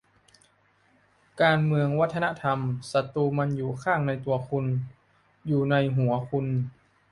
"การเมืองวัฒนธรรม ศัตรูมันอยู่ข้างในตัวคุณ อยู่ในหัวคุณ"